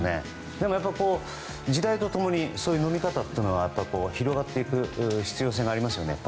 でも、時代と共にそういう飲み方は広がっていく必要性がありますよね。